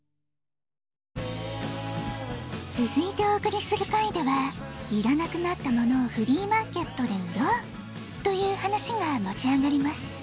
つづいておおくりする回ではいらなくなったものをフリーマーケットで売ろうという話がもち上がります。